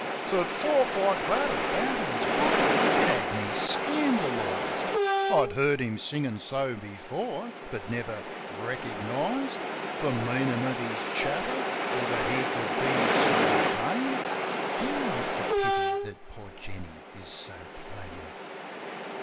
To talk like that about his wife! It had me scandalized. I'd heard him singin' so before, but never recognized The meaning of his chatter, or that he could be so vain: "Dear, it's a pity that poor Jenny is so plain."